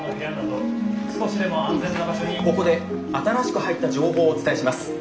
ここで新しく入った情報をお伝えします。